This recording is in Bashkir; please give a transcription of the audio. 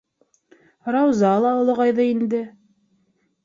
Рауза ла олоғайҙы инде.